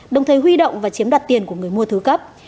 đồng thời huy động và chiếm đoạt tiền của người mua thứ cấp